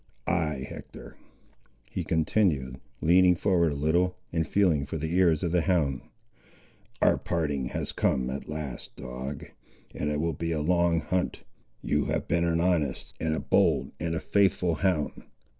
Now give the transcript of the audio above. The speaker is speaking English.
Ay, Hector," he continued, leaning forward a little, and feeling for the ears of the hound, "our parting has come at last, dog, and it will be a long hunt. You have been an honest, and a bold, and a faithful hound.